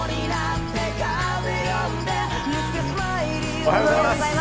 おはようございます。